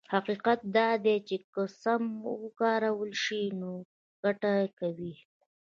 حقيقت دا دی چې که سم وکارول شي نو ګټه کوي.